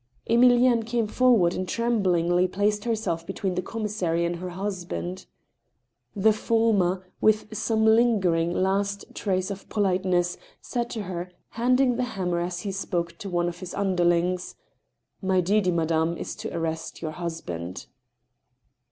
Emilienne came forward and tremblingly placed herself between the commissary and her husband. The former, with some lingering, last trace of politeness, said to her, handing the hammer as he spoke to one of his underlings :" My duty, madame, is to arrest your husband."